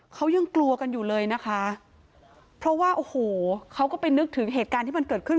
เขายังกลัวกันอยู่เลยนะคะเพราะว่าโอ้โหเขาก็ไปนึกถึงเหตุการณ์ที่มันเกิดขึ้น